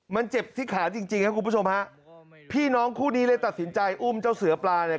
มันเจ็บที่ขาจริงจริงครับคุณผู้ชมฮะพี่น้องคู่นี้เลยตัดสินใจอุ้มเจ้าเสือปลาเนี่ย